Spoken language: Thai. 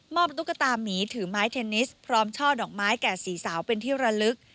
ตุ๊กตามีถือไม้เทนนิสพร้อมช่อดอกไม้แก่สีสาวเป็นที่ระลึก